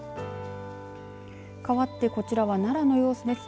かわってこちらは奈良の様子です。